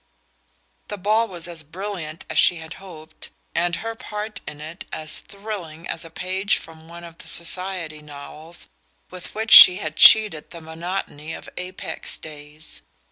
The ball was as brilliant as she had hoped, and her own part in it as thrilling as a page from one of the "society novels" with which she had cheated the monotony of Apex days.